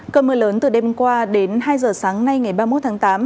cơ mưa lớn từ đêm qua đến hai giờ sáng nay ngày ba mươi một tháng tám